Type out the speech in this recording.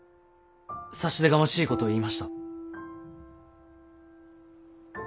差し出がましいことを言いました。